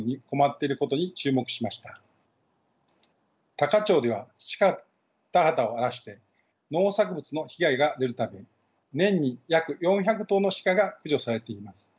多可町では鹿が田畑を荒らして農作物の被害が出るため年に約４００頭の鹿が駆除されています。